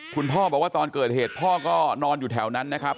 คุณพ่อบอกว่าตอนเกิดเหตุพ่อก็นอนอยู่แถวนั้นนะครับ